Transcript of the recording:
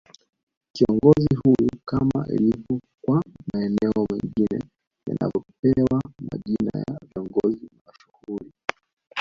Kiongozi huyo kama ilivyo kwa maeneo mengine yanavyopewa majina ya viongozi mashuhuli